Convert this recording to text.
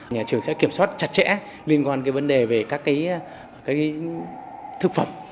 nhà trường sẽ kiểm soát chặt chẽ liên quan đến vấn đề về các cái thực phẩm